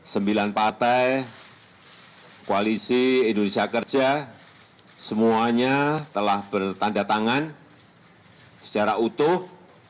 sembilan partai koalisi indonesia kerja semuanya telah bertanda tangan secara utuh